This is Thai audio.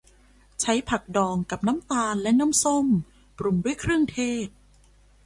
ใช้ผักดองกับน้ำตาลและน้ำส้ม ปรุงด้วยเครื่องเทศ